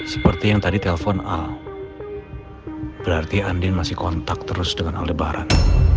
seperti yang tadi telfon al berarti andin masih kontak terus dengan aldebaran